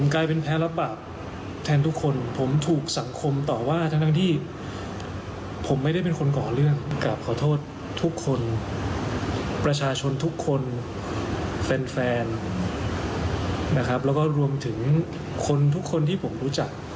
ขอโทษทุกคนแฟนนะครับแล้วก็รวมถึงคนทุกคนที่ผมรู้จัก